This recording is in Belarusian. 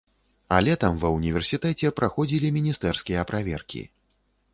А летам ва ўніверсітэце праходзілі міністэрскія праверкі.